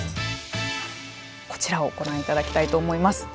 こちらをご覧いただきたいと思います。